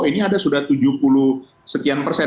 ini ada sudah tujuh puluh sekian persen